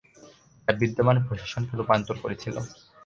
যা বিদ্যমান প্রশাসনকে রূপান্তর করেছিল।